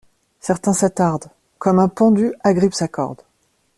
Certains s’attardent, comme un pendu agrippe sa corde.